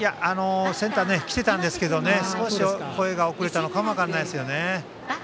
センター来ていたんですが少し声が遅れたのかもしれないですね。